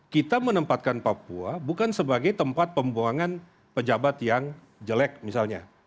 kita menempatkan papua bukan sebagai tempat pembuangan pejabat yang jelek misalnya